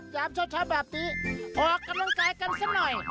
ยามเช้าแบบนี้ออกกำลังกายกันซะหน่อย